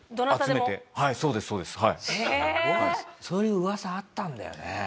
そういう噂あったんだよね。